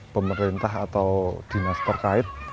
pemerintah atau dinas terkait